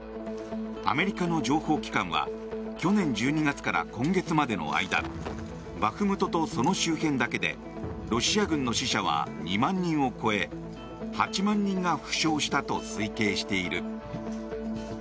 アメリカの情報機関は去年１２月から今月までの間バフムトとその周辺だけでロシア軍の死者は２万人を超え８万人が負傷したと推計している。